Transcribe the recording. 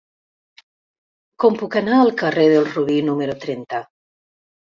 Com puc anar al carrer del Robí número trenta?